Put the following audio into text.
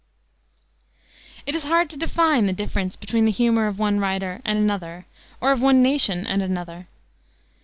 It is hard to define the difference between the humor of one writer and another, or of one nation and another.